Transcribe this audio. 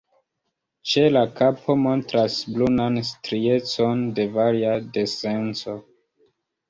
Ĉe la kapo montras brunan striecon de varia denseco.